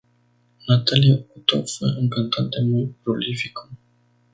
Natalino Otto fue un cantante muy prolífico.